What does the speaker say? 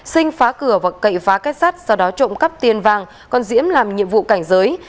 sinh phá cửa và cậy phá cái sắt sau đó trộn cắp tiền vàng còn diễm làm nhiệm vụ cảnh giới